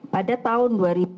pada tahun dua ribu tujuh belas